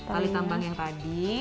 tali tambang yang tadi